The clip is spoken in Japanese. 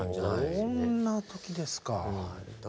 そんな時ですか。